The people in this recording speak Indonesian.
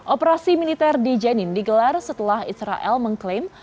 operasi militer di jenin digelar setelah israel mengklaim